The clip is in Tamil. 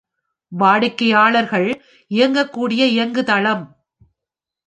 வாடிக்கையாளர்கள் இயக்கக்கூடிய இயங்குதளம்.